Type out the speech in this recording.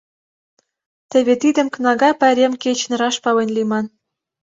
Теве тидым кнага пайрем кечын раш пален лийман.